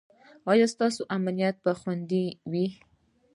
ایا ستاسو امنیت به خوندي وي؟